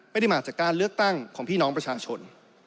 ไม่ได้มาจากการเลือกตั้งของพี่น้องประชาชน